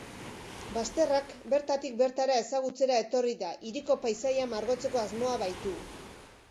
Bazterrak bertatik bertara ezagutzera etorri da, hiriko paisaia margotzeko asmoa baitu.